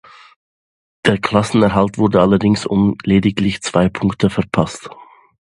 Der Klassenerhalt wurde allerdings um lediglich zwei Punkte verpasst.